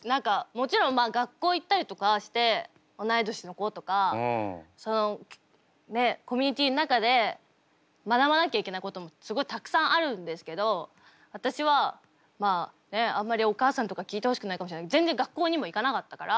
もちろん学校行ったりとかして同い年の子とかコミュニティーの中で学ばなきゃいけないこともすごいたくさんあるんですけど私はまああんまりお母さんとか聞いてほしくないかもしれないけど全然学校にも行かなかったから。